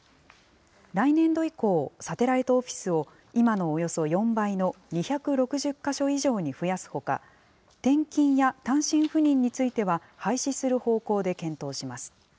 来年度以降、サテライトオフィスを今のおよそ４倍の２６０か所以上に増やすほか、転勤や単身赴任については廃止する方向で検討します。